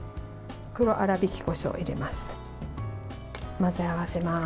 黒粗びきこしょうを入れます。